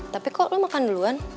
tapi kok lo makan duluan